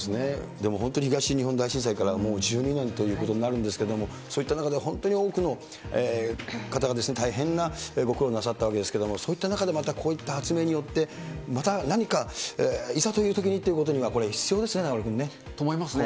でも本当に東日本大震災からもう１２年ということになるんですけれども、そういった中で本当に多くの方が大変なご苦労なさったわけですけれども、そういった中で、またこういった発明によって、また何かいざというときにということには、これ、必要ですね、と思いますね。